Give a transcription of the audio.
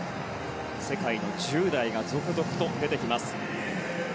世界の１０代が続々と出てきます。